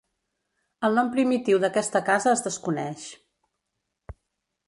El nom primitiu d'aquesta casa es desconeix.